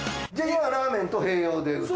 今ラーメンと併用で歌？